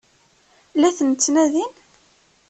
La ten-ttnadin?